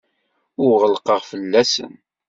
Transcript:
Ur ɣellqeɣ fell-asen.